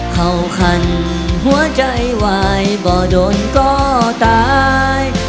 เข้าคันหัวใจวายบ่อโดนก็ตาย